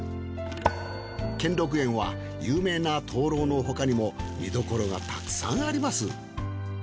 兼六園は有名な灯籠の他にも見どころがたくさんあります。